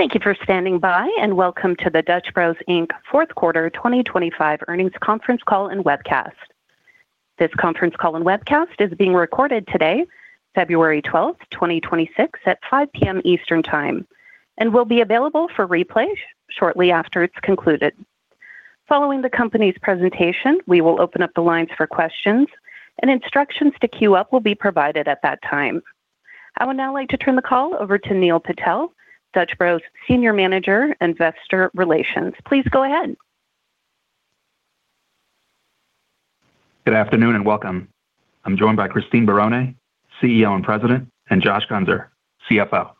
Thank you for standing by, and welcome to the Dutch Bros Incorporated fourth quarter 2025 earnings conference call and webcast. This conference call and webcast is being recorded today, February 12, 2026, at 5:00 P.M. Eastern Time, and will be available for replay shortly after it's concluded. Following the company's presentation, we will open up the lines for questions, and instructions to queue up will be provided at that time. I would now like to turn the call over to Neil Patel, Dutch Bros Senior Manager, Investor Relations. Please go ahead. Good afternoon, and welcome. I'm joined by Christine Barone, CEO and President, and Josh Guenser, CFO.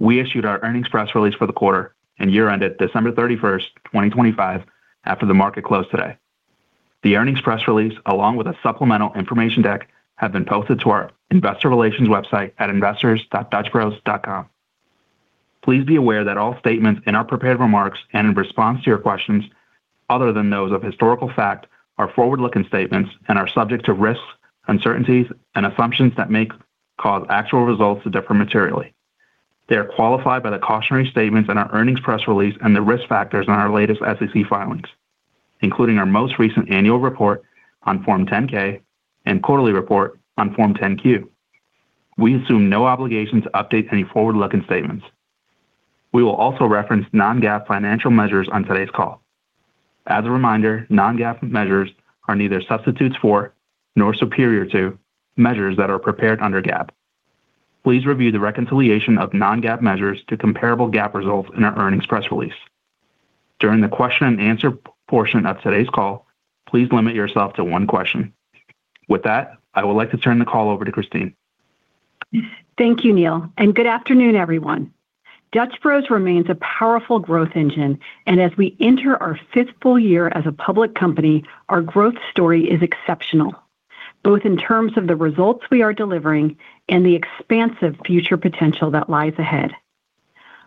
We issued our earnings press release for the quarter and year ended December 31st, 2025, after the market closed today. The earnings press release, along with a supplemental information deck, have been posted to our investor relations website at investors.dutchbros.com. Please be aware that all statements in our prepared remarks and in response to your questions, other than those of historical fact, are forward-looking statements and are subject to risks, uncertainties, and assumptions that may cause actual results to differ materially. They are qualified by the cautionary statements in our earnings press release and the risk factors in our latest SEC filings, including our most recent annual report on Form 10-K and quarterly report on Form 10-Q. We assume no obligation to update any forward-looking statements. We will also reference non-GAAP financial measures on today's call. As a reminder, non-GAAP measures are neither substitutes for nor superior to measures that are prepared under GAAP. Please review the reconciliation of non-GAAP measures to comparable GAAP results in our earnings press release. During the question and answer portion of today's call, please limit yourself to one question. With that, I would like to turn the call over to Christine. Thank you, Neil, and good afternoon, everyone. Dutch Bros remains a powerful growth engine, and as we enter our 5th full year as a public company, our growth story is exceptional, both in terms of the results we are delivering and the expansive future potential that lies ahead.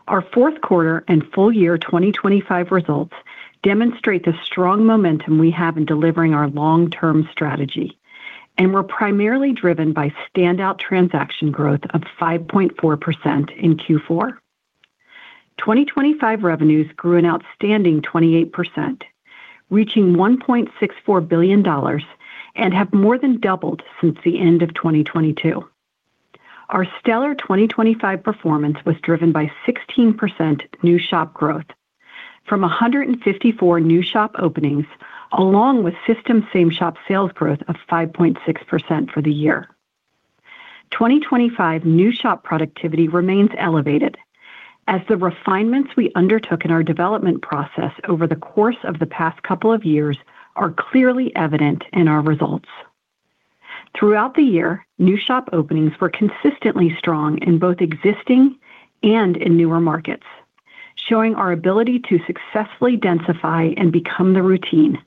Our fourth quarter and full year 2025 results demonstrate the strong momentum we have in delivering our long-term strategy, and we're primarily driven by standout transaction growth of 5.4% in Q4. 2025 revenues grew an outstanding 28%, reaching $1.64 billion, and have more than doubled since the end of 2022. Our stellar 2025 performance was driven by 16% new shop growth from 154 new shop openings, along with system same-shop sales growth of 5.6% for the year. Twenty twenty-five new shop productivity remains elevated, as the refinements we undertook in our development process over the course of the past couple of years are clearly evident in our results. Throughout the year, new shop openings were consistently strong in both existing and in newer markets, showing our ability to successfully densify and become the routine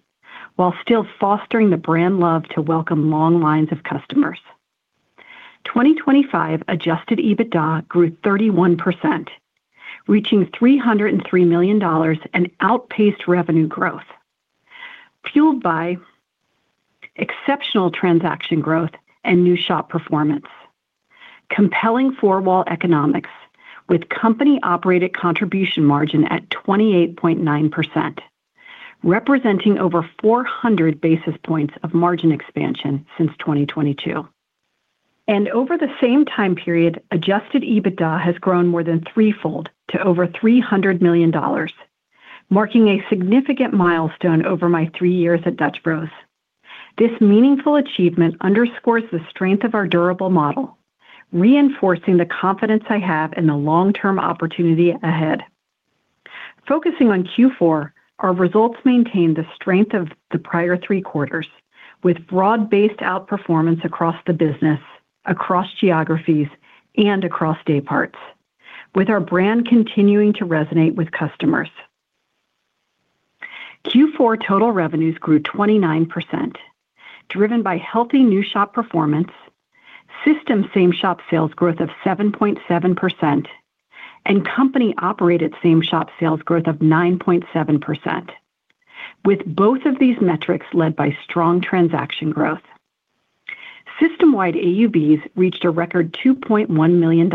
while still fostering the brand love to welcome long lines of customers. Twenty twenty-five adjusted EBITDA grew 31%, reaching $303 million, and outpaced revenue growth, fueled by exceptional transaction growth and new shop performance. Compelling four-wall economics, with Company-operated contribution margin at 28.9%, representing over 400 basis points of margin expansion since 2022. Over the same time period, adjusted EBITDA has grown more than threefold to over $300 million, marking a significant milestone over my three years at Dutch Bros. This meaningful achievement underscores the strength of our durable model, reinforcing the confidence I have in the long-term opportunity ahead. Focusing on Q4, our results maintain the strength of the prior three quarters, with broad-based outperformance across the business, across geographies, and across dayparts, with our brand continuing to resonate with customers. Q4 total revenues grew 29%, driven by healthy new shop performance, system same-shop sales growth of 7.7%, and Company-operated same-shop sales growth of 9.7%, with both of these metrics led by strong transaction growth. System-wide AUVs reached a record $2.1 million,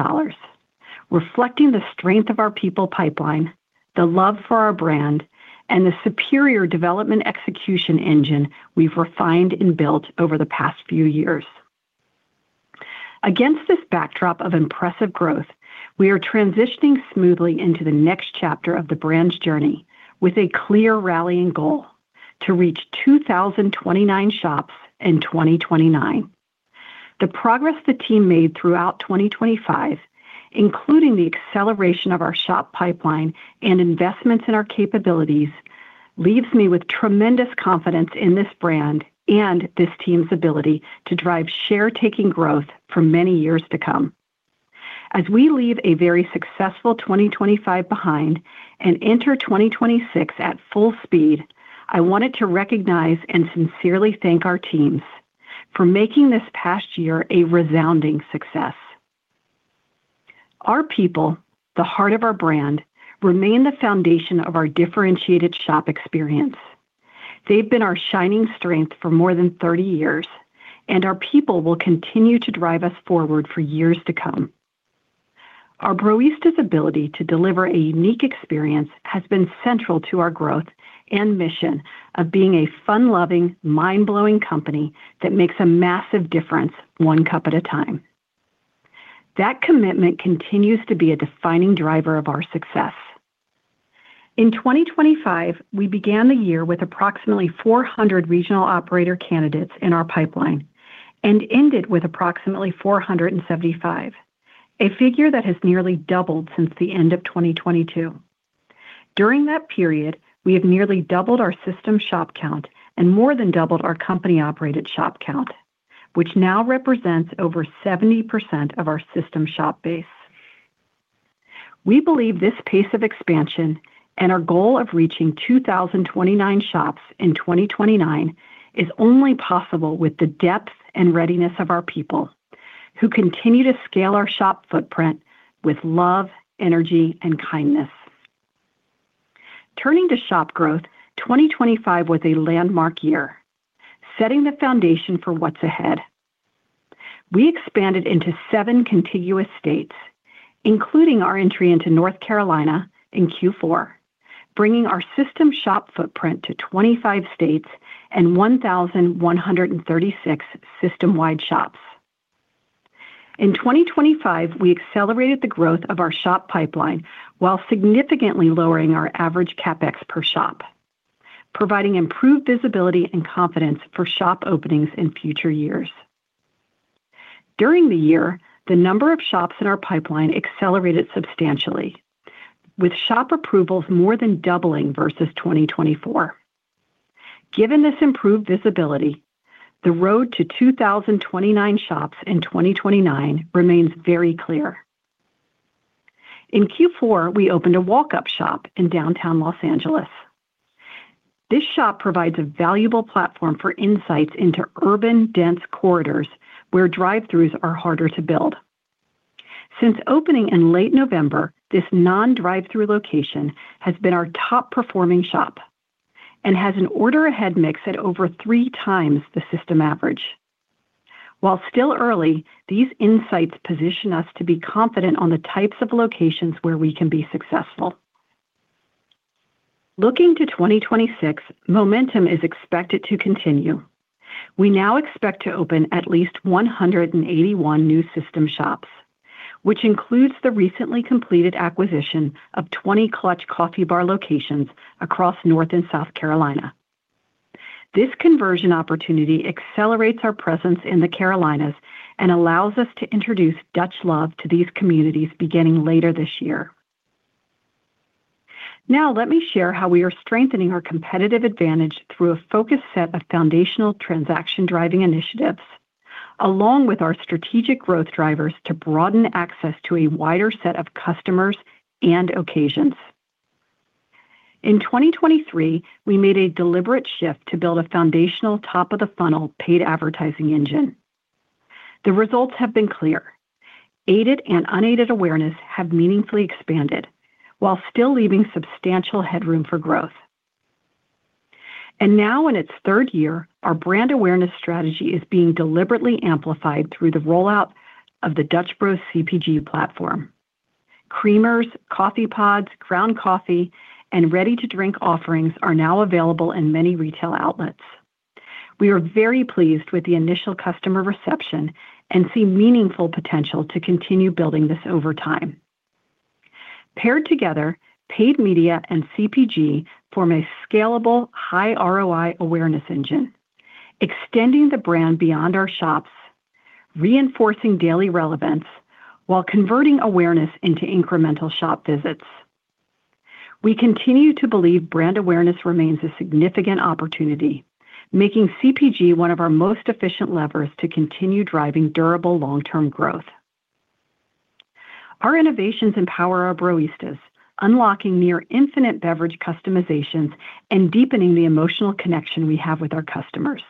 reflecting the strength of our people pipeline, the love for our brand, and the superior development execution engine we've refined and built over the past few years. Against this backdrop of impressive growth, we are transitioning smoothly into the next chapter of the brand's journey with a clear rallying goal: to reach 2,029 shops in 2029. The progress the team made throughout 2025, including the acceleration of our shop pipeline and investments in our capabilities, leaves me with tremendous confidence in this brand and this team's ability to drive share-taking growth for many years to come. As we leave a very successful 2025 behind and enter 2026 at full speed, I wanted to recognize and sincerely thank our teams for making this past year a resounding success. Our people, the heart of our brand, remain the foundation of our differentiated shop experience. They've been our shining strength for more than 30 years, and our people will continue to drive us forward for years to come. Our Broistas' ability to deliver a unique experience has been central to our growth and mission of being a fun-loving, mind-blowing company that makes a massive difference, one cup at a time. That commitment continues to be a defining driver of our success. In 2025, we began the year with approximately 400 regional operator candidates in our pipeline and ended with approximately 475, a figure that has nearly doubled since the end of 2022. During that period, we have nearly doubled our system shop count and more than doubled Company-operated shop count, which now represents over 70% of our system shop base. We believe this pace of expansion and our goal of reaching 2,029 shops in 2029 is only possible with the depth and readiness of our people, who continue to scale our shop footprint with love, energy, and kindness. Turning to shop growth, 2025 was a landmark year, setting the foundation for what's ahead. We expanded into seven contiguous states, including our entry into North Carolina in Q4, bringing our system shop footprint to 25 states and 1,136 system-wide shops. In 2025, we accelerated the growth of our shop pipeline while significantly lowering our average CapEx per shop, providing improved visibility and confidence for shop openings in future years. During the year, the number of shops in our pipeline accelerated substantially, with shop approvals more than doubling versus 2024. Given this improved visibility, the road to 2,029 shops in 2029 remains very clear. In Q4, we opened a walk-up shop in downtown Los Angeles. This shop provides a valuable platform for insights into urban, dense corridors where drive-throughs are harder to build. Since opening in late November, this non-drive-through location has been our top-performing shop and has an Order Ahead mix at over 3x the system average. While still early, these insights position us to be confident on the types of locations where we can be successful. Looking to 2026, momentum is expected to continue. We now expect to open at least 181 new system shops, which includes the recently completed acquisition of 20 Clutch Coffee Bar locations across North and South Carolina. This conversion opportunity accelerates our presence in the Carolinas and allows us to introduce Dutch Love to these communities beginning later this year. Now, let me share how we are strengthening our competitive advantage through a focused set of foundational transaction-driving initiatives, along with our strategic growth drivers, to broaden access to a wider set of customers and occasions. In 2023, we made a deliberate shift to build a foundational top-of-the-funnel paid advertising engine. The results have been clear. Aided and unaided awareness have meaningfully expanded while still leaving substantial headroom for growth. And now, in its third year, our brand awareness strategy is being deliberately amplified through the rollout of the Dutch Bros CPG platform. Creamers, coffee pods, ground coffee, and ready-to-drink offerings are now available in many retail outlets. We are very pleased with the initial customer reception and see meaningful potential to continue building this over time. Paired together, paid media and CPG form a scalable, high-ROI awareness engine, extending the brand beyond our shops, reinforcing daily relevance while converting awareness into incremental shop visits. We continue to believe brand awareness remains a significant opportunity, making CPG one of our most efficient levers to continue driving durable long-term growth. Our innovations empower our Broistas, unlocking near-infinite beverage customizations and deepening the emotional connection we have with our customers.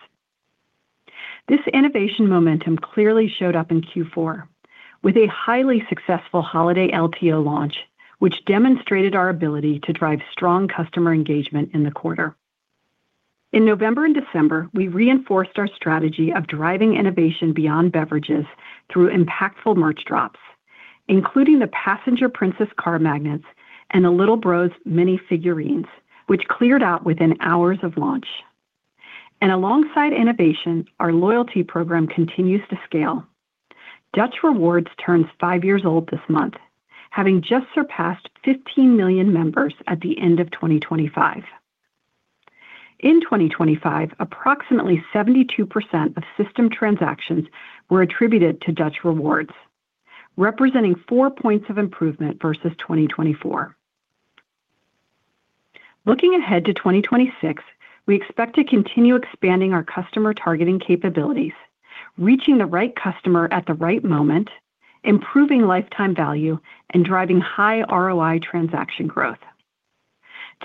This innovation momentum clearly showed up in Q4 with a highly successful holiday LTO launch, which demonstrated our ability to drive strong customer engagement in the quarter. In November and December, we reinforced our strategy of driving innovation beyond beverages through impactful merch drops, including the Passenger Princess car magnets and the Little Bros mini figurines, which cleared out within hours of launch. Alongside innovation, our loyalty program continues to scale. Dutch Rewards turns five years old this month, having just surpassed 15 million members at the end of 2025. In 2025, approximately 72% of system transactions were attributed to Dutch Rewards, representing 4 points of improvement versus 2024. Looking ahead to 2026, we expect to continue expanding our customer targeting capabilities, reaching the right customer at the right moment, improving lifetime value, and driving high-ROI transaction growth.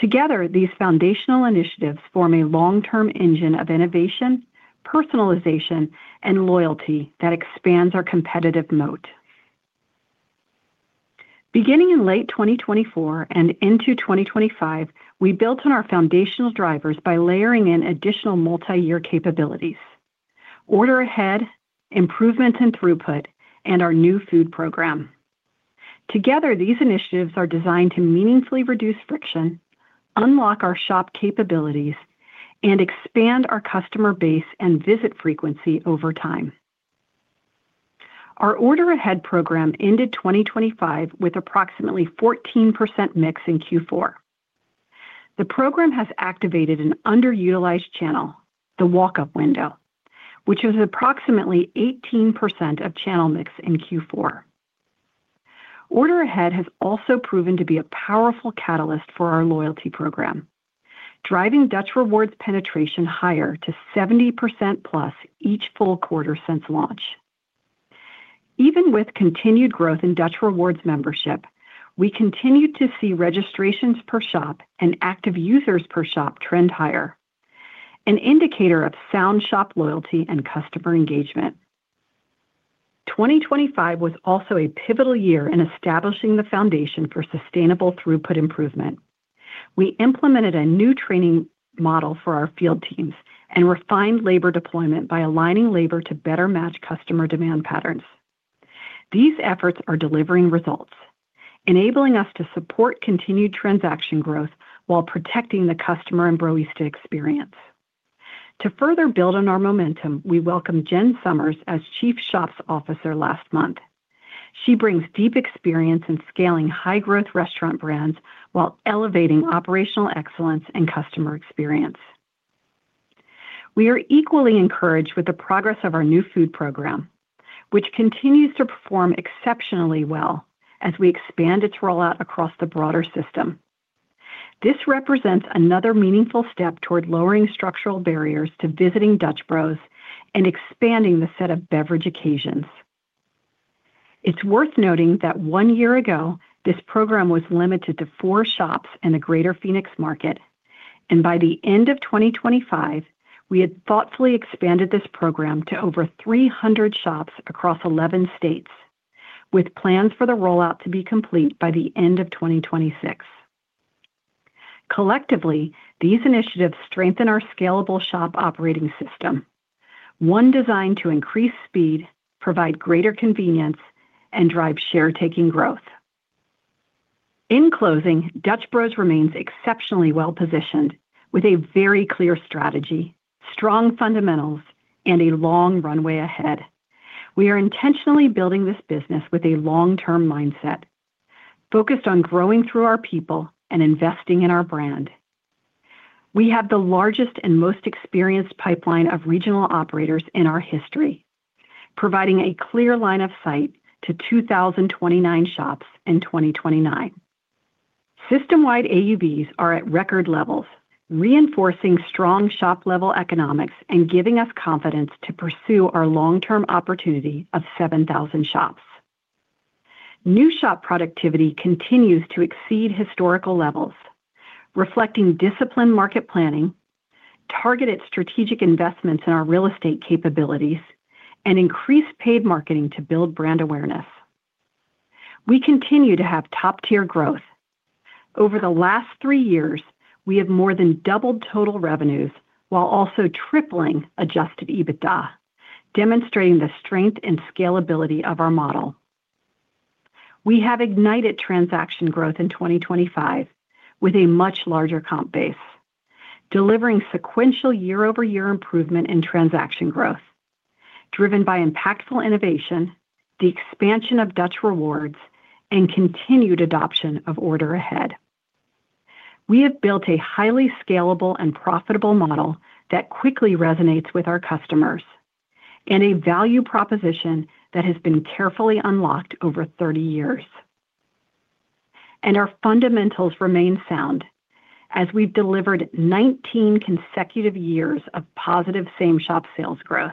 Together, these foundational initiatives form a long-term engine of innovation, personalization, and loyalty that expands our competitive moat. Beginning in late 2024 and into 2025, we built on our foundational drivers by layering in additional multi-year capabilities: Order Ahead, improvement in throughput, and our new food program. Together, these initiatives are designed to meaningfully reduce friction, unlock our shop capabilities, and expand our customer base and visit frequency over time. Our Order Ahead program ended 2025 with approximately 14% mix in Q4. The program has activated an underutilized channel, the walk-up window, which is approximately 18% of channel mix in Q4. Order Ahead has also proven to be a powerful catalyst for our loyalty program, driving Dutch Rewards penetration higher to 70%+ each full quarter since launch. Even with continued growth in Dutch Rewards membership, we continued to see registrations per shop and active users per shop trend higher, an indicator of sound shop loyalty and customer engagement. Twenty twenty-five was also a pivotal year in establishing the foundation for sustainable throughput improvement. We implemented a new training model for our field teams and refined labor deployment by aligning labor to better match customer demand patterns. These efforts are delivering results, enabling us to support continued transaction growth while protecting the customer and Broista experience. To further build on our momentum, we welcomed Jennifer Somers as Chief Shops Officer last month. She brings deep experience in scaling high-growth restaurant brands while elevating operational excellence and customer experience. We are equally encouraged with the progress of our new food program, which continues to perform exceptionally well as we expand its rollout across the broader system. This represents another meaningful step toward lowering structural barriers to visiting Dutch Bros and expanding the set of beverage occasions. It's worth noting that one year ago, this program was limited to four shops in the greater Phoenix market, and by the end of 2025, we had thoughtfully expanded this program to over 300 shops across 11 states, with plans for the rollout to be complete by the end of 2026. Collectively, these initiatives strengthen our scalable shop operating system, one designed to increase speed, provide greater convenience, and drive share taking growth. In closing, Dutch Bros remains exceptionally well-positioned with a very clear strategy, strong fundamentals, and a long runway ahead. We are intentionally building this business with a long-term mindset, focused on growing through our people and investing in our brand. We have the largest and most experienced pipeline of regional operators in our history, providing a clear line of sight to 2,029 shops in 2029. System-wide AUVs are at record levels, reinforcing strong shop-level economics and giving us confidence to pursue our long-term opportunity of 7,000 shops. New shop productivity continues to exceed historical levels, reflecting disciplined market planning, targeted strategic investments in our real estate capabilities, and increased paid marketing to build brand awareness. We continue to have top-tier growth. Over the last three years, we have more than doubled total revenues while also tripling adjusted EBITDA, demonstrating the strength and scalability of our model. We have ignited transaction growth in 2025 with a much larger comp base, delivering sequential year-over-year improvement in transaction growth, driven by impactful innovation, the expansion of Dutch Rewards, and continued adoption of Order Ahead. We have built a highly scalable and profitable model that quickly resonates with our customers and a value proposition that has been carefully unlocked over 30 years. Our fundamentals remain sound as we've delivered 19 consecutive years of positive same-shop sales growth.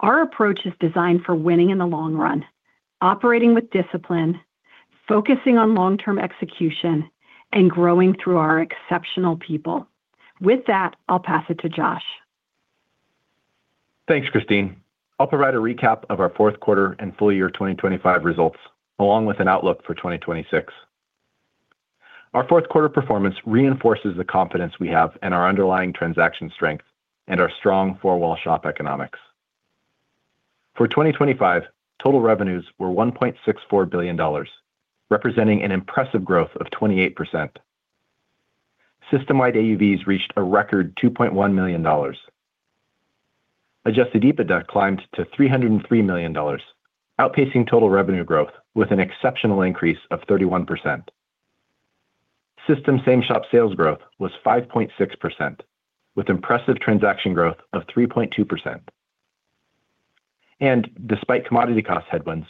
Our approach is designed for winning in the long run, operating with discipline, focusing on long-term execution, and growing through our exceptional people. With that, I'll pass it to Josh. Thanks, Christine. I'll provide a recap of our fourth quarter and full year 2025 results, along with an outlook for 2026. Our fourth quarter performance reinforces the confidence we have in our underlying transaction strength and our strong four-wall shop economics. For 2025, total revenues were $1.64 billion, representing an impressive growth of 28%. System-wide AUVs reached a record $2.1 million. Adjusted EBITDA climbed to $303 million, outpacing total revenue growth with an exceptional increase of 31%. System same-shop sales growth was 5.6%, with impressive transaction growth of 3.2%. Despite commodity cost headwinds,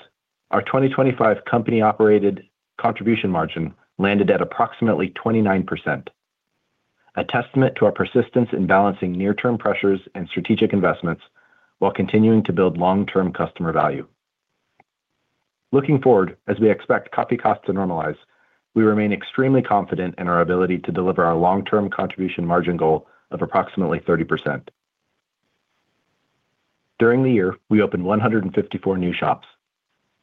our 2025 Company-operated contribution margin landed at approximately 29%, a testament to our persistence in balancing near-term pressures and strategic investments while continuing to build long-term customer value. Looking forward, as we expect coffee costs to normalize, we remain extremely confident in our ability to deliver our long-term contribution margin goal of approximately 30%. During the year, we opened 154 new shops,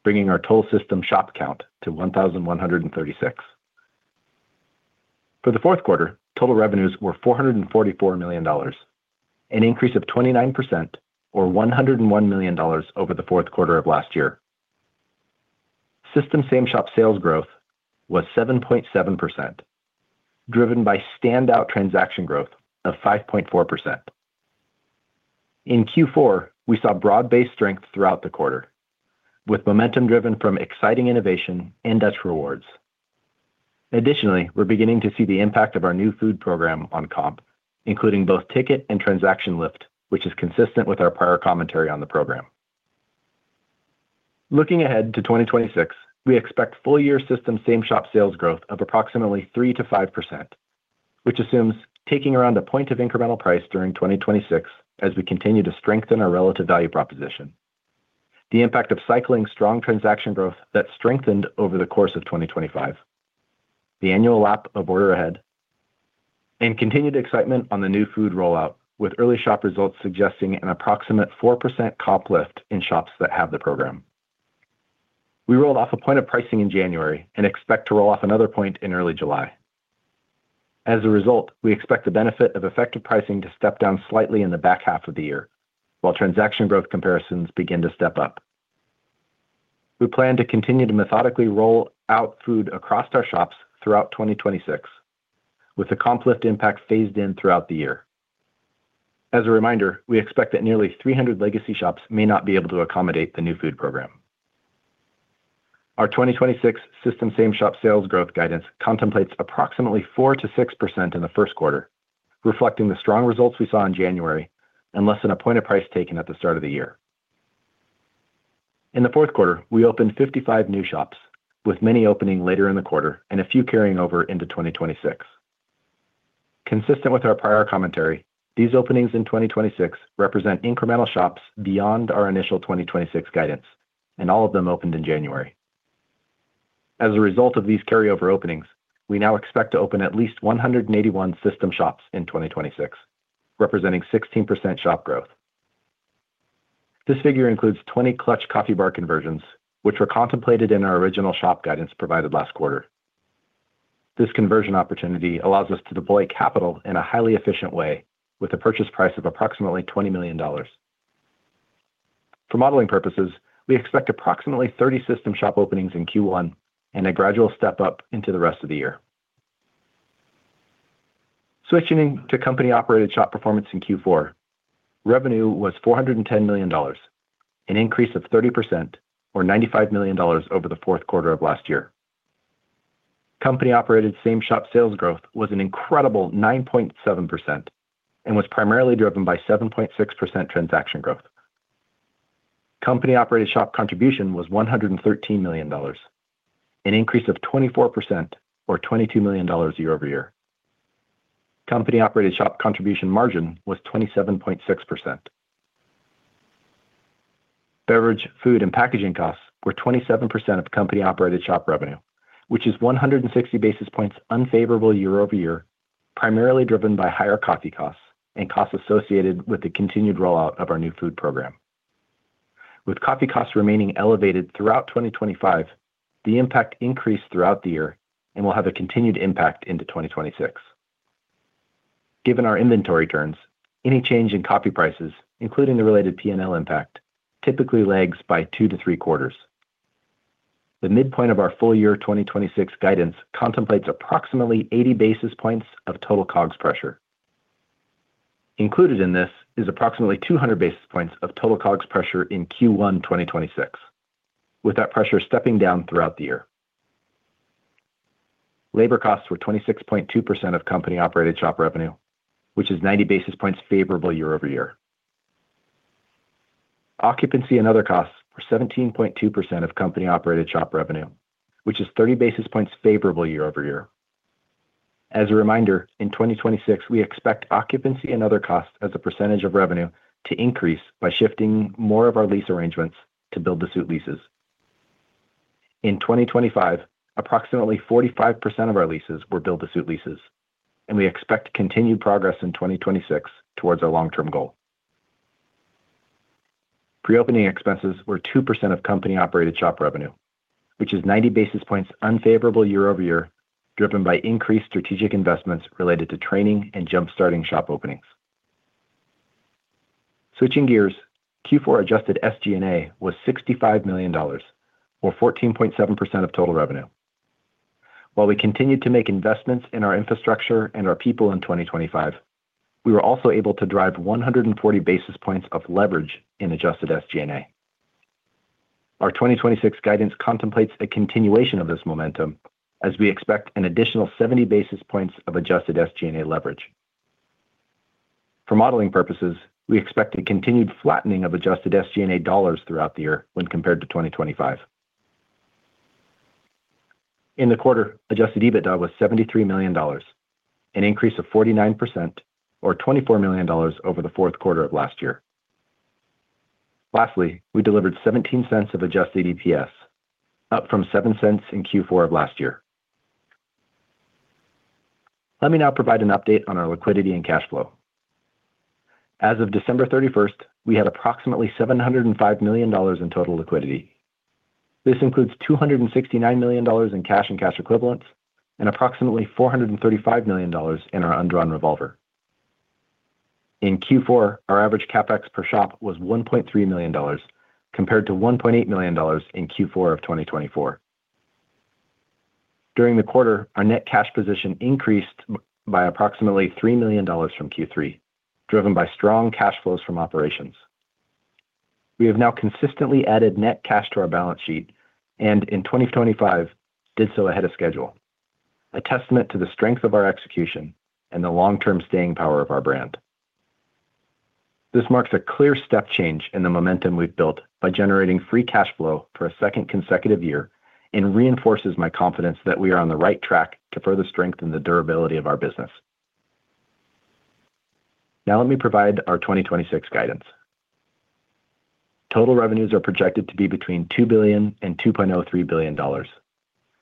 bringing our total system shop count to 1,136. For the fourth quarter, total revenues were $444 million, an increase of 29% or $101 million over the fourth quarter of last year. System same-shop sales growth was 7.7%, driven by standout transaction growth of 5.4%. In Q4, we saw broad-based strength throughout the quarter, with momentum driven from exciting innovation and Dutch Rewards. Additionally, we're beginning to see the impact of our new food program on comp, including both ticket and transaction lift, which is consistent with our prior commentary on the program. Looking ahead to 2026, we expect full-year system same-shop sales growth of approximately 3%-5%, which assumes taking around a point of incremental price during 2026 as we continue to strengthen our relative value proposition. The impact of cycling strong transaction growth that strengthened over the course of 2025, the annual lap of Order Ahead, and continued excitement on the new food rollout, with early shop results suggesting an approximate 4% comp lift in shops that have the program. We rolled off a point of pricing in January and expect to roll off another point in early July. As a result, we expect the benefit of effective pricing to step down slightly in the back half of the year, while transaction growth comparisons begin to step up. We plan to continue to methodically roll out food across our shops throughout 2026, with the comp lift impact phased in throughout the year. As a reminder, we expect that nearly 300 legacy shops may not be able to accommodate the new food program. Our 2026 system same-shop sales growth guidance contemplates approximately 4%-6% in the first quarter, reflecting the strong results we saw in January and less than a point of price taken at the start of the year. In the fourth quarter, we opened 55 new shops, with many opening later in the quarter and a few carrying over into 2026. Consistent with our prior commentary, these openings in 2026 represent incremental shops beyond our initial 2026 guidance, and all of them opened in January. As a result of these carryover openings, we now expect to open at least 181 system shops in 2026, representing 16% shop growth. This figure includes 20 Clutch Coffee Bar conversions, which were contemplated in our original shop guidance provided last quarter. This conversion opportunity allows us to deploy capital in a highly efficient way with a purchase price of approximately $20 million. For modeling purposes, we expect approximately 30 system shop openings in Q1 and a gradual step up into the rest of the year. Switching Company-operated shop performance in Q4, revenue was $410 million, an increase of 30% or $95 million over the fourth quarter of last year. Company-operated same-shop sales growth was an incredible 9.7% and was primarily driven by 7.6% transaction growth. Company-operated shop contribution was $113 million, an increase of 24% or $22 million Company-operated shop contribution margin was 27.6%. Beverage, food, and packaging costs were 27% Company-operated shop revenue, which is 160 basis points unfavorable year-over-year, primarily driven by higher coffee costs and costs associated with the continued rollout of our new food program. With coffee costs remaining elevated throughout 2025, the impact increased throughout the year and will have a continued impact into 2026. Given our inventory turns, any change in coffee prices, including the related P&L impact, typically lags by two to three quarters. The midpoint of our full-year 2026 guidance contemplates approximately 80 basis points of total COGS pressure. Included in this is approximately 200 basis points of total COGS pressure in Q1 2026, with that pressure stepping down throughout the year. Labor costs were 26.2% Company-operated shop revenue, which is 90 basis points favorable year-over-year. Occupancy and other costs were 17.2% Company-operated shop revenue, which is 30 basis points favorable year-over-year. As a reminder, in 2026, we expect occupancy and other costs as a percentage of revenue to increase by shifting more of our lease arrangements to build-to-suit leases. In 2025, approximately 45% of our leases were build-to-suit leases, and we expect continued progress in 2026 towards our long-term goal. Pre-opening expenses were 2% Company-operated shop revenue, which is 90 basis points unfavorable year-over-year, driven by increased strategic investments related to training and jump-starting shop openings. Switching gears, Q4 adjusted SG&A was $65 million, or 14.7% of total revenue. While we continued to make investments in our infrastructure and our people in 2025, we were also able to drive 140 basis points of leverage in adjusted SG&A. Our 2026 guidance contemplates a continuation of this momentum as we expect an additional 70 basis points of adjusted SG&A leverage. For modeling purposes, we expect a continued flattening of adjusted SG&A dollars throughout the year when compared to 2025. In the quarter, adjusted EBITDA was $73 million, an increase of 49% or $24 million over the fourth quarter of last year. Lastly, we delivered $0.17 of adjusted EPS, up from $0.07 in Q4 of last year. Let me now provide an update on our liquidity and cash flow. As of December 31st, we had approximately $705 million in total liquidity. This includes $269 million in cash and cash equivalents, and approximately $435 million in our undrawn revolver. In Q4, our average CapEx per shop was $1.3 million, compared to $1.8 million in Q4 of 2024. During the quarter, our net cash position increased by approximately $3 million from Q3, driven by strong cash flows from operations. We have now consistently added net cash to our balance sheet, and in 2025, did so ahead of schedule, a testament to the strength of our execution and the long-term staying power of our brand. This marks a clear step change in the momentum we've built by generating free cash flow for a second consecutive year and reinforces my confidence that we are on the right track to further strengthen the durability of our business. Now, let me provide our 2026 guidance. Total revenues are projected to be between $2 billion and $2.03 billion,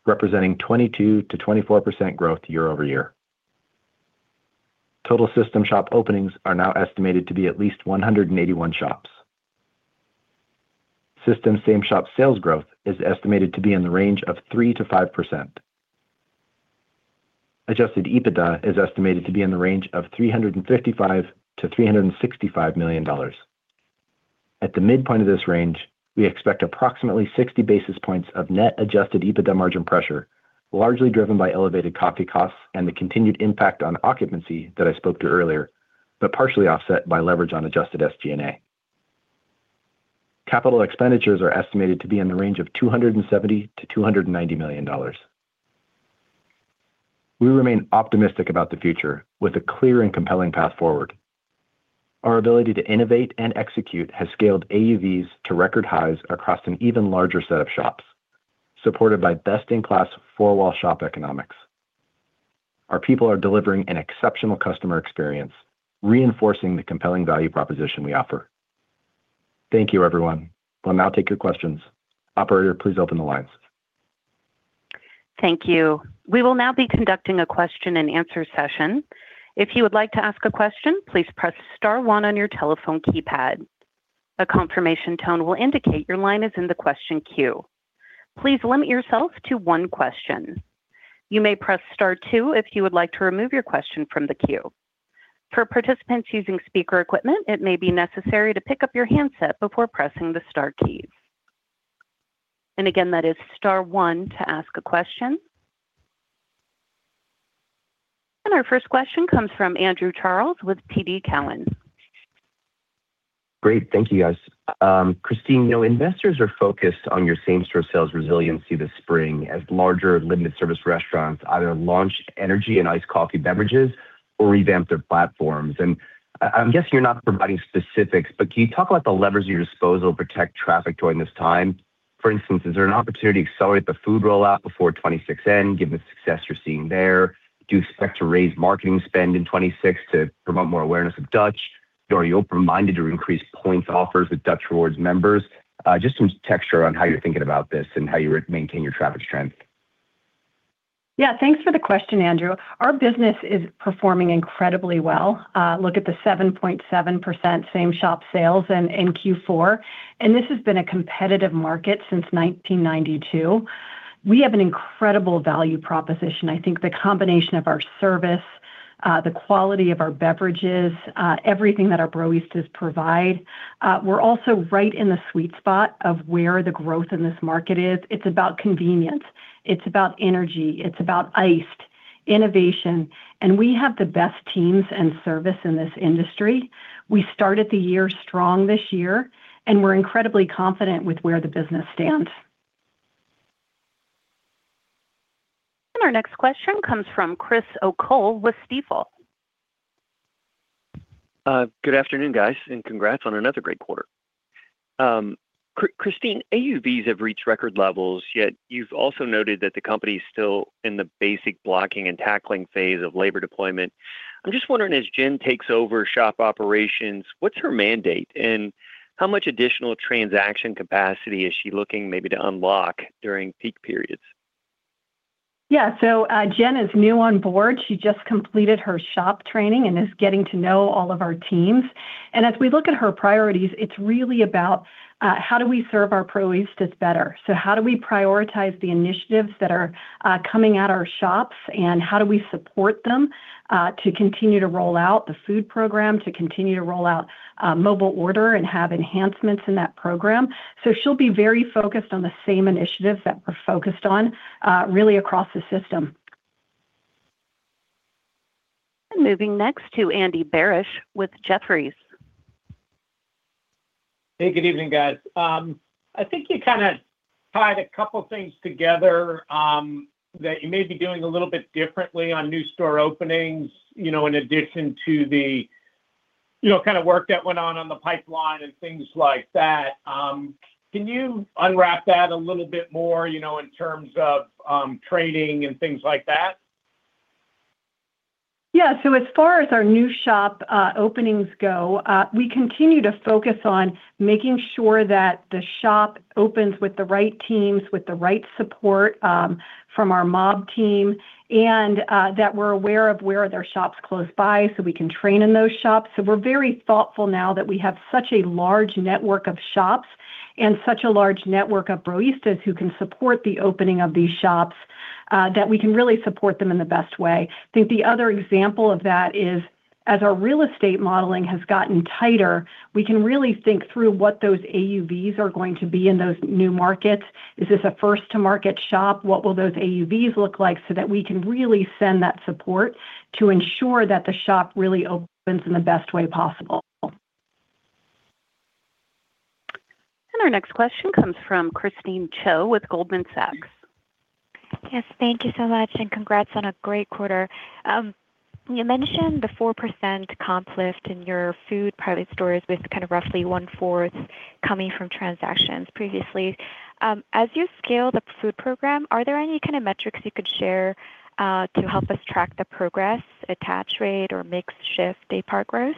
representing 22%-24% growth year-over-year. Total system shop openings are now estimated to be at least 181 shops. System same-shop sales growth is estimated to be in the range of 3%-5%. Adjusted EBITDA is estimated to be in the range of $355 million-$365 million. At the midpoint of this range, we expect approximately 60 basis points of net adjusted EBITDA margin pressure, largely driven by elevated coffee costs and the continued impact on occupancy that I spoke to earlier, but partially offset by leverage on adjusted SG&A. CapEx are estimated to be in the range of $270 million-$290 million. We remain optimistic about the future with a clear and compelling path forward. Our ability to innovate and execute has scaled AUVs to record highs across an even larger set of shops, supported by best-in-class four-wall shop economics. Our people are delivering an exceptional customer experience, reinforcing the compelling value proposition we offer. Thank you, everyone. We'll now take your questions. Operator, please open the lines. Thank you. We will now be conducting a question-and-answer session. If you would like to ask a question, please press star one on your telephone keypad. A confirmation tone will indicate your line is in the question queue. Please limit yourself to one question. You may press star two if you would like to remove your question from the queue. For participants using speaker equipment, it may be necessary to pick up your handset before pressing the star key. Again, that is star one to ask a question. Our first question comes from Andrew Charles with TD Cowen. Great. Thank you, guys. Christine, you know, investors are focused on your same-store sales resiliency this spring as larger limited service restaurants either launch energy and iced coffee beverages or revamp their platforms. And I'm guessing you're not providing specifics, but can you talk about the levers at your disposal to protect traffic during this time? For instance, is there an opportunity to accelerate the food rollout before 2026 end, given the success you're seeing there? Do you expect to raise marketing spend in 2026 to promote more awareness of Dutch? Are you open-minded to increase points offers with Dutch Rewards members? Just some texture on how you're thinking about this and how you would maintain your traffic strength. Yeah, thanks for the question, Andrew. Our business is performing incredibly well. Look at the 7.7% same-shop sales in Q4, and this has been a competitive market since 1992. We have an incredible value proposition. I think the combination of our service, the quality of our beverages, everything that our Broistas provide, we're also right in the sweet spot of where the growth in this market is. It's about convenience, it's about energy, it's about iced, innovation, and we have the best teams and service in this industry. We started the year strong this year, and we're incredibly confident with where the business stands. Our next question comes from Chris O'Cull with Stifel. Good afternoon, guys, and congrats on another great quarter. Christine, AUVs have reached record levels, yet you've also noted that the company is still in the basic blocking and tackling phase of labor deployment. I'm just wondering, as Jen takes over shop operations, what's her mandate, and how much additional transaction capacity is she looking maybe to unlock during peak periods? Yeah. So, Jen is new on board. She just completed her shop training and is getting to know all of our teams. And as we look at her priorities, it's really about how do we serve our Broistas better? So how do we prioritize the initiatives that are coming at our shops, and how do we support them to continue to roll out the food program, to continue to roll out mobile order and have enhancements in that program? So she'll be very focused on the same initiatives that we're focused on, really across the system. Moving next to Andy Barish with Jefferies. Hey, good evening, guys. I think you kind of tied a couple of things together that you may be doing a little bit differently on new store openings, you know, in addition to the, you know, kind of work that went on on the pipeline and things like that. Can you unwrap that a little bit more, you know, in terms of trading and things like that? Yeah, so as far as our new shop openings go, we continue to focus on making sure that the shop opens with the right teams, with the right support from our MOB team, and that we're aware of where are there shops close by, so we can train in those shops. So we're very thoughtful now that we have such a large network of shops and such a large network of Broistas who can support the opening of these shops, that we can really support them in the best way. I think the other example of that is, as our real estate modeling has gotten tighter, we can really think through what those AUVs are going to be in those new markets. Is this a first-to-market shop? What will those AUVs look like? So that we can really send that support to ensure that the shop really opens in the best way possible. And our next question comes from Christine Cho with Goldman Sachs. Yes, thank you so much, and congrats on a great quarter. You mentioned the 4% comp lift in your food pilot stores, with kind of roughly 1/4 coming from transactions previously. As you scale the food program, are there any kind of metrics you could share to help us track the progress, attach rate, or mix shift, daypart growth?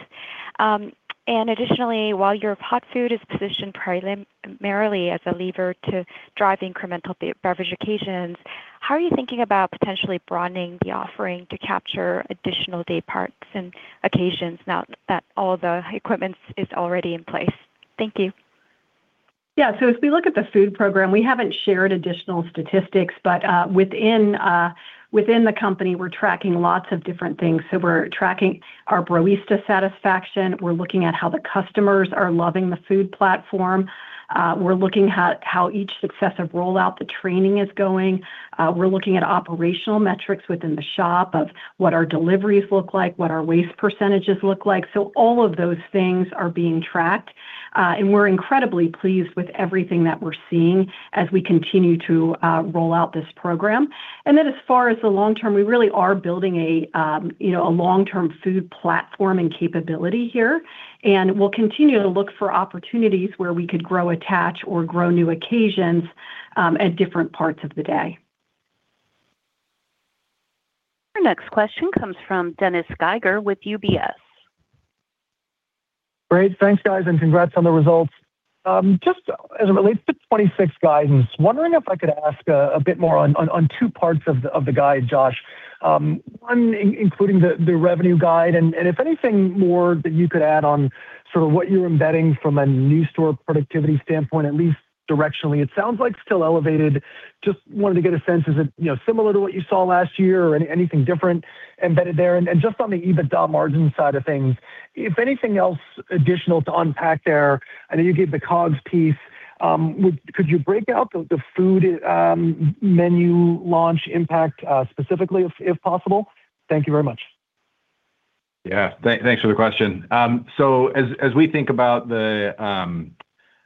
And additionally, while your hot food is positioned primarily as a lever to drive incremental beverage occasions, how are you thinking about potentially broadening the offering to capture additional dayparts and occasions now that all the equipment is already in place? Thank you. Yeah, so as we look at the food program, we haven't shared additional statistics, but, within, within the company, we're tracking lots of different things. So we're tracking our Broista satisfaction, we're looking at how the customers are loving the food platform, we're looking at how each successive rollout, the training is going. We're looking at operational metrics within the shop, of what our deliveries look like, what our waste percentages look like. So all of those things are being tracked, and we're incredibly pleased with everything that we're seeing as we continue to, roll out this program. And then as far as the long term, we really are building a, you know, a long-term food platform and capability here. And we'll continue to look for opportunities where we could grow, attach, or grow new occasions, at different parts of the day. Our next question comes from Dennis Geiger with UBS. Great. Thanks, guys, and congrats on the results. Just as it relates to 2026 guidance, wondering if I could ask a bit more on two parts of the guide, Josh. One, including the revenue guide, and if anything more that you could add on sort of what you're embedding from a new store productivity standpoint, at least directionally. It sounds like still elevated. Just wanted to get a sense, is it, you know, similar to what you saw last year or anything different embedded there? And just on the EBITDA margin side of things, if anything else additional to unpack there, I know you gave the COGS piece. Would you break out the food menu launch impact, specifically, if possible? Thank you very much. Yeah. Thanks for the question. So as we think about the,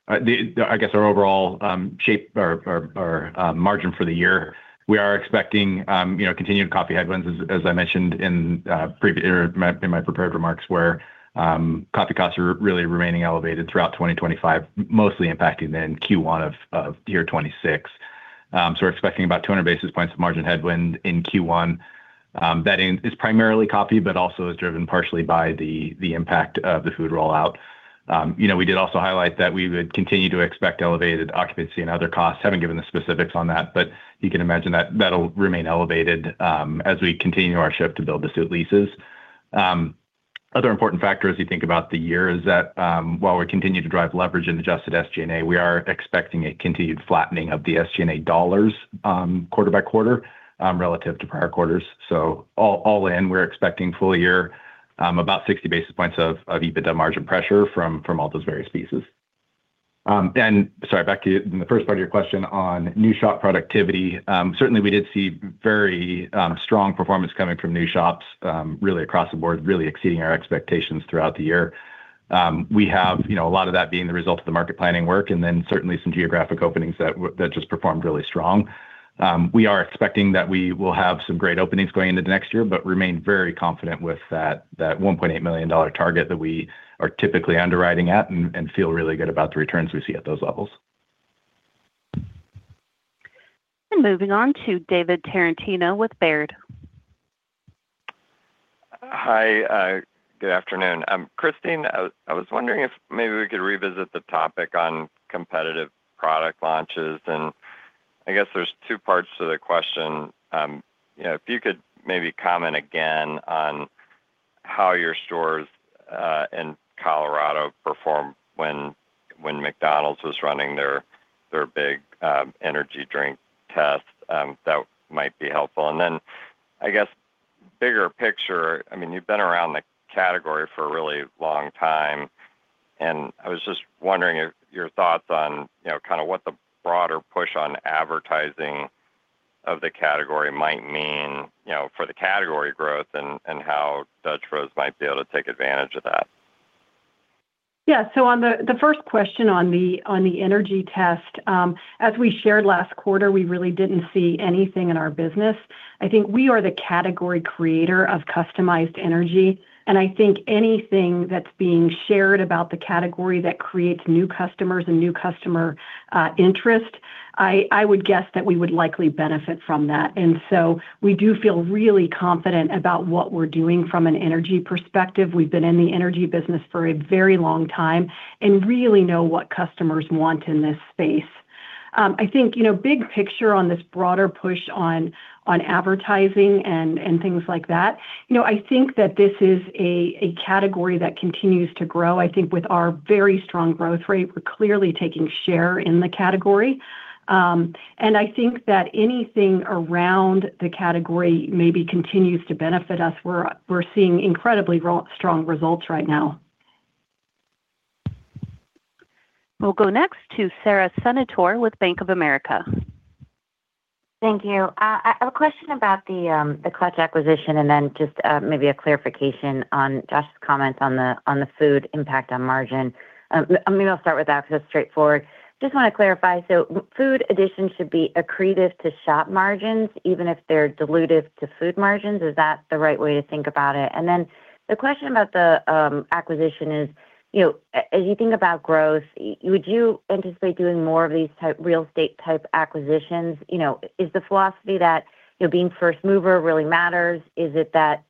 I guess, our overall shape or margin for the year, we are expecting, you know, continued coffee headwinds, as I mentioned in previous or in my prepared remarks, where coffee costs are really remaining elevated throughout 2025, mostly impacting in Q1 of year 2026. So we're expecting about 200 basis points of margin headwind in Q1. That is primarily coffee, but also is driven partially by the impact of the food rollout. You know, we did also highlight that we would continue to expect elevated occupancy and other costs. Haven't given the specifics on that, but you can imagine that that'll remain elevated, as we continue our shift to build-to-suit leases. Other important factor, as you think about the year, is that, while we continue to drive leverage in adjusted SG&A, we are expecting a continued flattening of the SG&A dollars, quarter-by-quarter, relative to prior quarters. So all in, we're expecting full year, about 60 basis points of EBITDA margin pressure from all those various pieces. Then—sorry, back to the first part of your question on new shop productivity. Certainly, we did see very strong performance coming from new shops, really across the board, really exceeding our expectations throughout the year. We have, you know, a lot of that being the result of the market planning work, and then certainly some geographic openings that just performed really strong. We are expecting that we will have some great openings going into next year, but remain very confident with that $1.8 million target that we are typically underwriting at, and feel really good about the returns we see at those levels. And moving on to David Tarantino with Baird. Hi, good afternoon. Christine, I was wondering if maybe we could revisit the topic on competitive product launches, and I guess there's two parts to the question. You know, if you could maybe comment again on how your stores in Colorado performed when McDonald's was running their big energy drink test, that might be helpful. And then, bigger picture, I mean, you've been around the category for a really long time, and I was just wondering your thoughts on, you know, kind of what the broader push on advertising of the category might mean, you know, for the category growth and how Dutch Bros might be able to take advantage of that. Yeah. So on the first question on the energy test, as we shared last quarter, we really didn't see anything in our business. I think we are the category creator of customized energy, and I think anything that's being shared about the category that creates new customers and new customer interest, I would guess that we would likely benefit from that. And so we do feel really confident about what we're doing from an energy perspective. We've been in the energy business for a very long time and really know what customers want in this space. I think, you know, big picture on this broader push on advertising and things like that, you know, I think that this is a category that continues to grow. I think with our very strong growth rate, we're clearly taking share in the category. I think that anything around the category maybe continues to benefit us. We're seeing incredibly strong results right now. We'll go next to Sara Senatore with Bank of America. Thank you. I have a question about the Clutch acquisition, and then just maybe a clarification on Josh's comment on the food impact on margin. Maybe I'll start with that because it's straightforward. Just wanna clarify, so food additions should be accretive to shop margins, even if they're dilutive to food margins. Is that the right way to think about it? And then the question about the acquisition is, you know, as you think about growth, would you anticipate doing more of these type real estate type acquisitions? You know, is the philosophy that, you know, being first mover really matters? Is it that,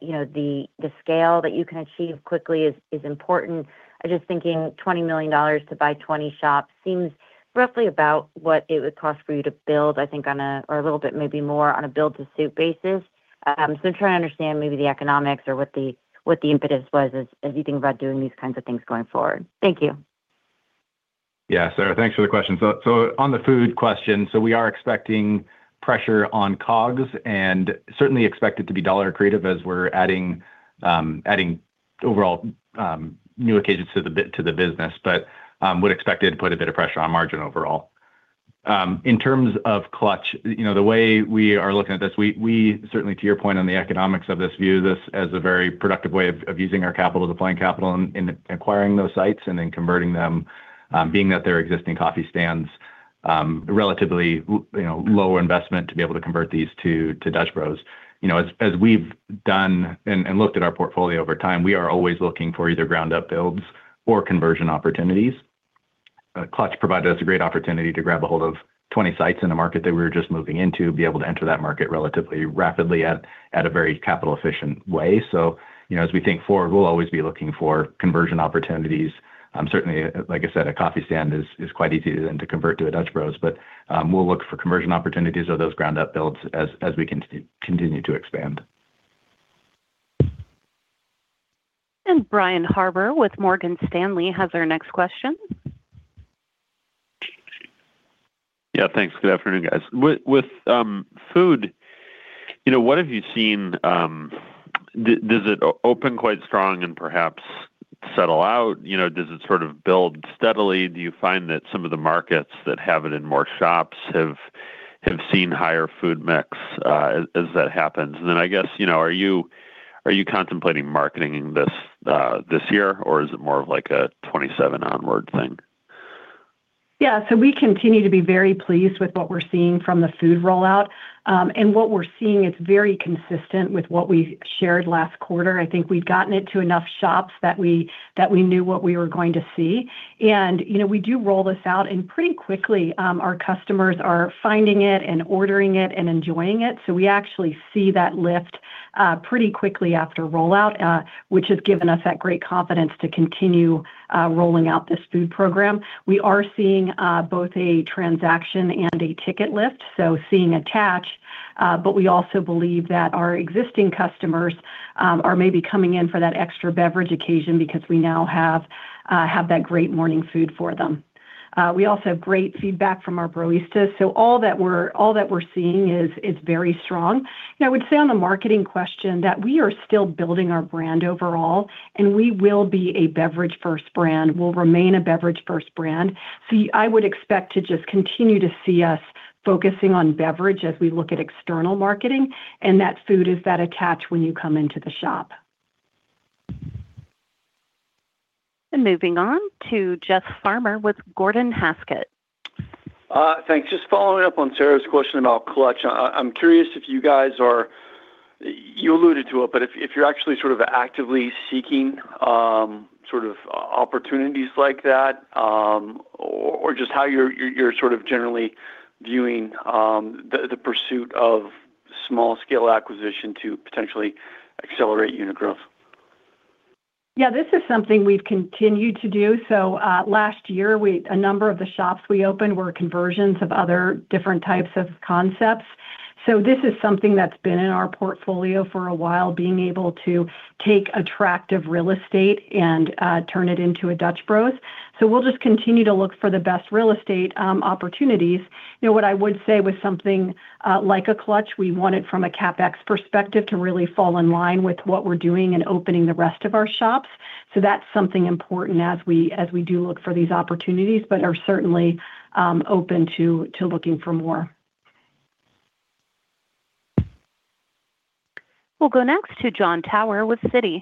you know, the scale that you can achieve quickly is important? I'm just thinking $20 million to buy 20 shops seems roughly about what it would cost for you to build, I think on a—or a little bit, maybe more on a build-to-suit basis. So I'm trying to understand maybe the economics or what the, what the impetus was as, as you think about doing these kinds of things going forward. Thank you. Yeah, Sara, thanks for the question. So on the food question, we are expecting pressure on COGS, and certainly expect it to be dollar accretive as we're adding overall new occasions to the business, but would expect it to put a bit of pressure on margin overall. In terms of Clutch, you know, the way we are looking at this, we certainly, to your point on the economics of this, view this as a very productive way of using our capital, deploying capital in acquiring those sites and then converting them, being that they're existing coffee stands, relatively, you know, low investment to be able to convert these to Dutch Bros. You know, as we've done and looked at our portfolio over time, we are always looking for either ground-up builds or conversion opportunities. Clutch provided us a great opportunity to grab a hold of 20 sites in a market that we were just moving into, be able to enter that market relatively rapidly at a very capital-efficient way. So, you know, as we think forward, we'll always be looking for conversion opportunities. Certainly, like I said, a coffee stand is quite easy to convert to a Dutch Bros. But we'll look for conversion opportunities or those ground-up builds as we continue to expand. Brian Harbour with Morgan Stanley has our next question. Yeah, thanks. Good afternoon, guys. With food, you know, what have you seen? Does it open quite strong and perhaps settle out? You know, does it sort of build steadily? Do you find that some of the markets that have it in more shops have seen higher food mix as that happens? And then, I guess, you know, are you contemplating marketing this this year, or is it more of like a 2027 onward thing? Yeah. So we continue to be very pleased with what we're seeing from the food rollout. And what we're seeing is very consistent with what we shared last quarter. I think we've gotten it to enough shops that we knew what we were going to see. You know, we do roll this out, and pretty quickly, our customers are finding it and ordering it and enjoying it. So we actually see that lift, pretty quickly after rollout, which has given us that great confidence to continue rolling out this food program. We are seeing both a transaction and a ticket lift, so seeing attach, but we also believe that our existing customers are maybe coming in for that extra beverage occasion because we now have that great morning food for them. We also have great feedback from our Broistas, so all that we're seeing is very strong. And I would say on the marketing question, that we are still building our brand overall, and we will be a beverage-first brand. We'll remain a beverage-first brand. So I would expect to just continue to see us focusing on beverage as we look at external marketing, and that food is that attach when you come into the shop. Moving on to Jeff Farmer with Gordon Haskett. Thanks. Just following up on Sarah's question about Clutch, I'm curious if you guys are—you alluded to it, but if you're actually sort of actively seeking sort of opportunities like that, or just how you're sort of generally viewing the pursuit of small-scale acquisition to potentially accelerate unit growth. Yeah, this is something we've continued to do. So, last year, a number of the shops we opened were conversions of other different types of concepts. So this is something that's been in our portfolio for a while, being able to take attractive real estate and turn it into a Dutch Bros. So we'll just continue to look for the best real estate opportunities. You know, what I would say with something like a Clutch, we want it from a CapEx perspective, to really fall in line with what we're doing in opening the rest of our shops. So that's something important as we do look for these opportunities, but are certainly open to looking for more. We'll go next to Jon Tower with Citi.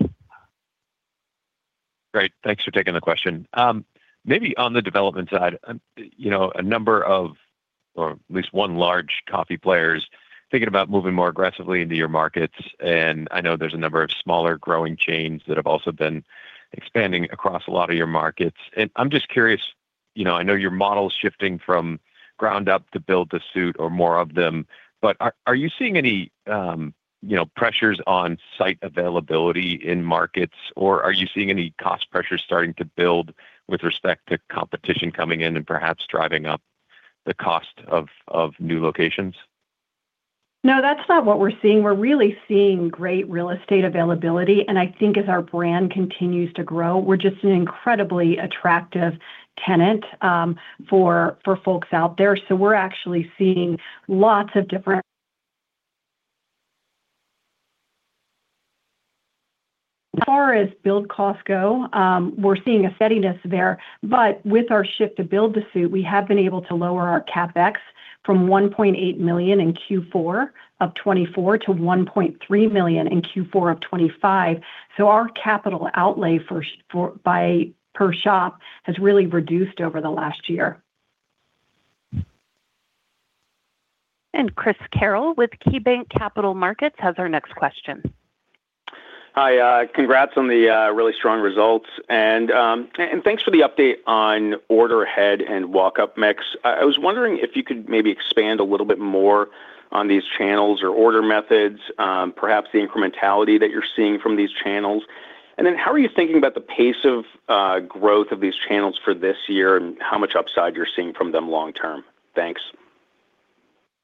Great. Thanks for taking the question. Maybe on the development side, you know, a number of, or at least one large coffee players thinking about moving more aggressively into your markets, and I know there's a number of smaller growing chains that have also been expanding across a lot of your markets. I'm just curious, you know, I know your model is shifting from ground-up to build-to-suit or more of them, but are you seeing any, you know, pressures on site availability in markets, or are you seeing any cost pressures starting to build with respect to competition coming in and perhaps driving up the cost of new locations? No, that's not what we're seeing. We're really seeing great real estate availability, and I think as our brand continues to grow, we're just an incredibly attractive tenant, for folks out there. So we're actually seeing—as far as build costs go, we're seeing a steadiness there. But with our shift to build-to-suit, we have been able to lower our CapEx from $1.8 million in Q4 of 2024 to $1.3 million in Q4 of 2025. So our capital outlay for shops—for per shop has really reduced over the last year. Chris Carril with KeyBanc Capital Markets has our next question. Hi, congrats on the really strong results. And thanks for the update on Order Ahead and walk-up mix. I was wondering if you could maybe expand a little bit more on these channels or order methods, perhaps the incrementality that you're seeing from these channels. And then how are you thinking about the pace of growth of these channels for this year and how much upside you're seeing from them long term? Thanks.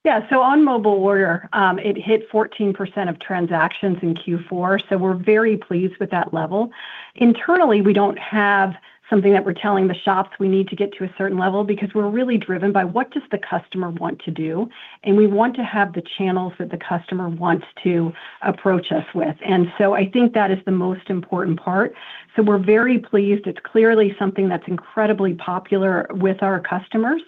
Yeah, so on mobile order, it hit 14% of transactions in Q4, so we're very pleased with that level. Internally, we don't have something that we're telling the shops we need to get to a certain level because we're really driven by what does the customer want to do, and we want to have the channels that the customer wants to approach us with. And so I think that is the most important part. So we're very pleased. It's clearly something that's incredibly popular with our customers,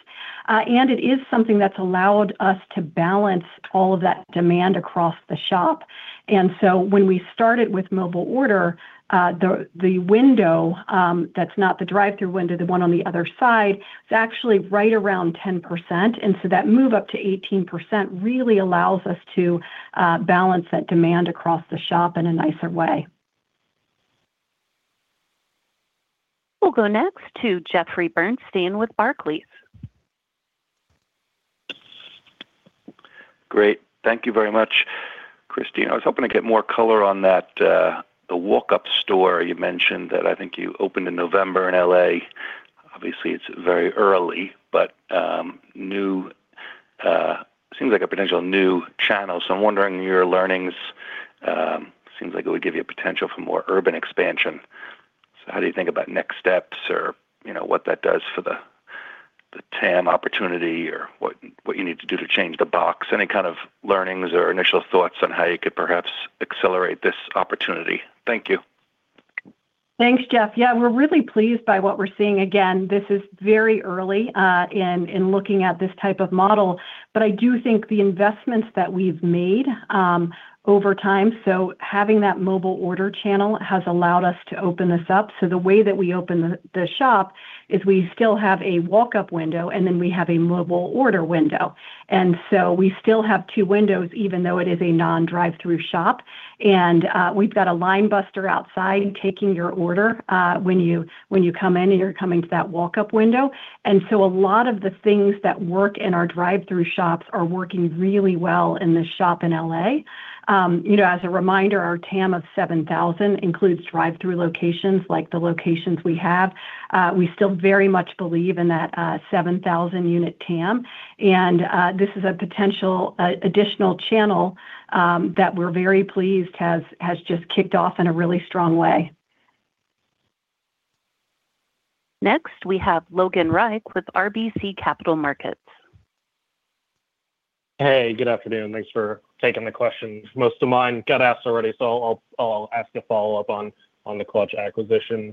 and it is something that's allowed us to balance all of that demand across the shop. When we started with mobile order, the window that's not the drive-through window, the one on the other side, it's actually right around 10%, and so that move up to 18% really allows us to balance that demand across the shop in a nicer way. We'll go next to Jeffrey Bernstein with Barclays. Great. Thank you very much, Christine. I was hoping to get more color on that, the walk-up store you mentioned that I think you opened in November in L.A. Obviously, it's very early, but new seems like a potential new channel, so I'm wondering your learnings. Seems like it would give you a potential for more urban expansion. So how do you think about next steps or, you know, what that does for the, the TAM opportunity, or what, what you need to do to change the box? Any kind of learnings or initial thoughts on how you could perhaps accelerate this opportunity? Thank you. Thanks, Jeff. Yeah, we're really pleased by what we're seeing. Again, this is very early in looking at this type of model, but I do think the investments that we've made over time, so having that mobile order channel has allowed us to open this up. So the way that we open the shop is we still have a walk-up window, and then we have a mobile order window. And so we still have two windows, even though it is a non-drive-through shop. And we've got a line buster outside taking your order when you come in and you're coming to that walk-up window. And so a lot of the things that work in our drive-through shops are working really well in this shop in L.A. You know, as a reminder, our TAM of 7,000 includes drive-through locations, like the locations we have. We still very much believe in that 7,000 unit TAM, and this is a potential additional channel that we're very pleased has just kicked off in a really strong way. Next, we have Logan Reich with RBC Capital Markets. Hey, good afternoon. Thanks for taking the questions. Most of mine got asked already, so I'll ask a follow-up on the Clutch acquisition.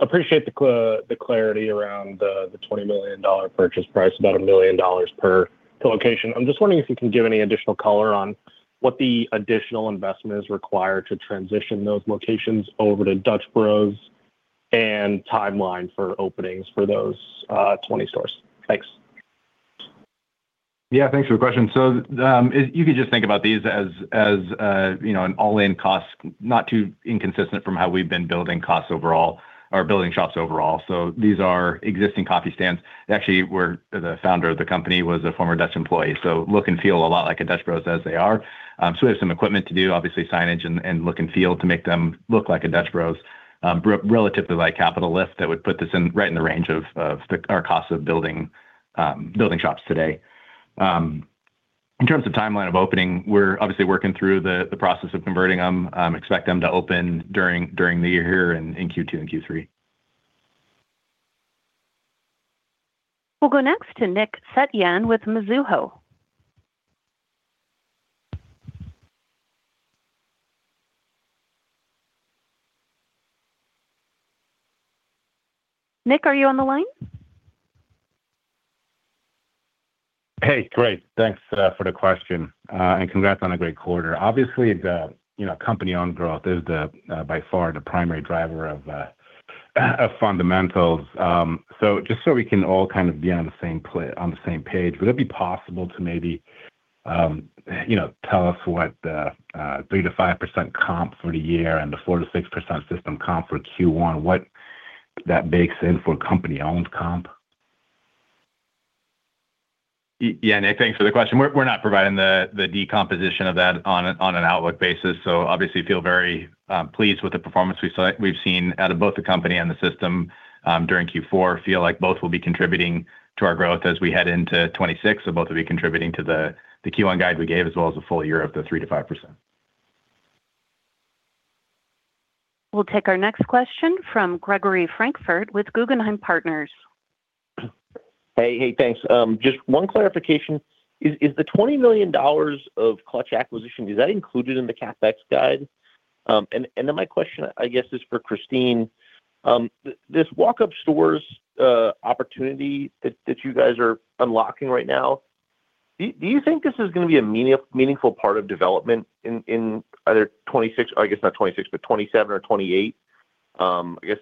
Appreciate the clarity around the $20 million purchase price, about $1 million per location. I'm just wondering if you can give any additional color on what the additional investment is required to transition those locations over to Dutch Bros and timeline for openings for those 20 stores. Thanks. Yeah, thanks for the question. So, if you could just think about these as, as, you know, an all-in cost, not too inconsistent from how we've been building costs overall or building shops overall. So these are existing coffee stands. They actually were—the founder of the company was a former Dutch employee, so look and feel a lot like a Dutch Bros as they are. So we have some equipment to do, obviously, signage and, and look and feel to make them look like a Dutch Bros. Relatively light capital lift that would put this in, right in the range of, of the, our cost of building, building shops today. In terms of timeline of opening, we're obviously working through the, the process of converting them. Expect them to open during, during the year here in, in Q2 and Q3. We'll go next to Nick Setyan with Mizuho. Nick, are you on the line? Hey, great. Thanks for the question, and congrats on a great quarter. Obviously, the, you know, company-owned growth is the by far the primary driver of fundamentals. So just so we can all kind of be on the same page, would it be possible to maybe, you know, tell us what the 3%-5% comp for the year and the 4%-6% system comp for Q1 bakes in for company-owned comp? Yeah, Nick, thanks for the question. We're not providing the decomposition of that on an outlook basis, so obviously feel very pleased with the performance we've seen out of both the company and the system during Q4. Feel like both will be contributing to our growth as we head into 2026. So both will be contributing to the Q1 guide we gave as well as the full year of the 3%-5%. We'll take our next question from Gregory Francfort with Guggenheim Partners. Hey, hey, thanks. Just one clarification, is, is the $20 million of Clutch acquisition, is that included in the CapEx guide? And, and then my question, I guess, is for Christine. This walk-up stores, opportunity that, that you guys are unlocking right now, do you think this is gonna be a meaningful part of development in, in either 2026, or I guess not 2026, but 2027 or 2028? I guess,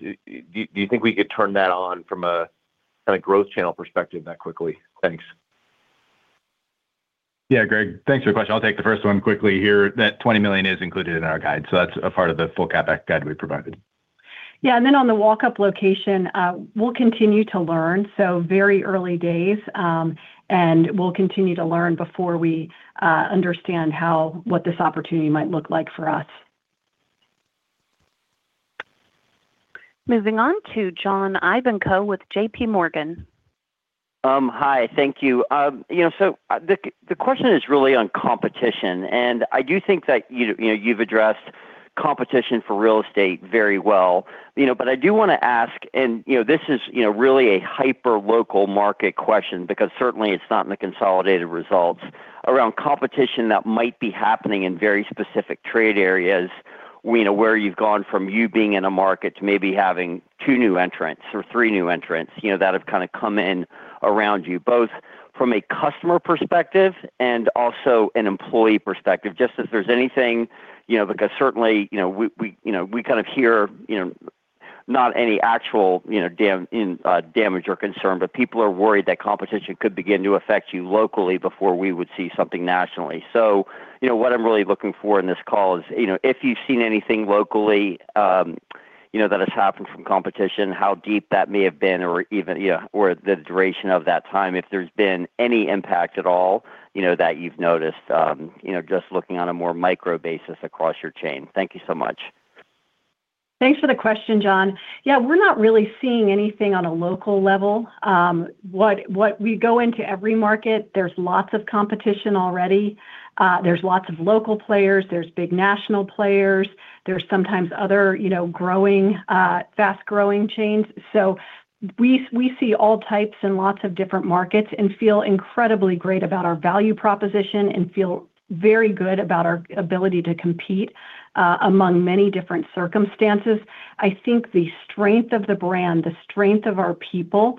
do you think we could turn that on from a kind of growth channel perspective that quickly? Thanks. Yeah, Greg, thanks for your question. I'll take the first one quickly here. That $20 million is included in our guide, so that's a part of the full CapEx guide we provided. Yeah, and then on the walk-up location, we'll continue to learn, so very early days. We'll continue to learn before we understand how what this opportunity might look like for us. Moving on to John Ivankoe with JPMorgan. Hi, thank you. You know, so the question is really on competition, and I do think that you know, you've addressed competition for real estate very well. You know, but I do wanna ask, and you know, this is really a hyperlocal market question, because certainly it's not in the consolidated results, around competition that might be happening in very specific trade areas, you know, where you've gone from you being in a market to maybe having two new entrants or three new entrants, you know, that have kind of come in around you, both from a customer perspective and also an employee perspective. Just if there's anything, you know, because certainly, you know, we, you know, we kind of hear, you know, not any actual, you know, damage or concern, but people are worried that competition could begin to affect you locally before we would see something nationally. So, you know, what I'm really looking for in this call is, you know, if you've seen anything locally, you know, that has happened from competition, how deep that may have been or even, yeah, or the duration of that time, if there's been any impact at all, you know, that you've noticed, you know, just looking on a more micro basis across your chain. Thank you so much. Thanks for the question, John. Yeah, we're not really seeing anything on a local level. What we go into every market, there's lots of competition already. There's lots of local players, there's big national players, there's sometimes other, you know, growing, fast-growing chains. So we see all types in lots of different markets and feel incredibly great about our value proposition and feel very good about our ability to compete, among many different circumstances. I think the strength of the brand, the strength of our people,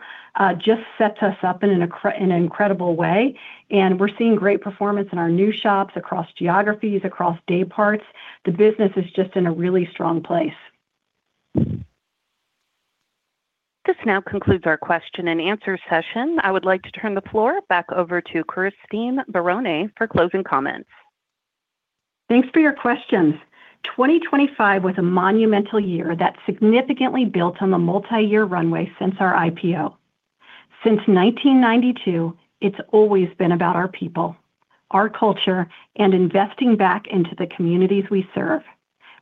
just sets us up in an incredible way, and we're seeing great performance in our new shops across geographies, across dayparts. The business is just in a really strong place. This now concludes our question and answer session. I would like to turn the floor back over to Christine Barone for closing comments. Thanks for your questions. Twenty twenty-five was a monumental year that significantly built on the multi-year runway since our IPO. Since 1992, it's always been about our people, our culture, and investing back into the communities we serve.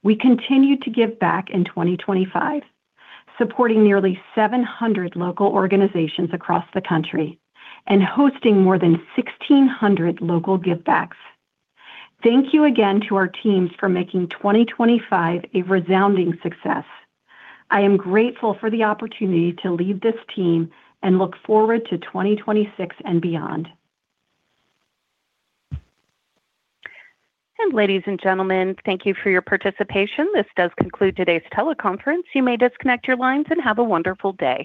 We continued to give back in 2025, supporting nearly 700 local organizations across the country and hosting more than 1,600 local givebacks. Thank you again to our teams for making 2025 a resounding success. I am grateful for the opportunity to lead this team and look forward to 2026 and beyond. Ladies and gentlemen, thank you for your participation. This does conclude today's teleconference. You may disconnect your lines, and have a wonderful day.